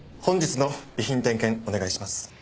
本日の備品点検お願いします。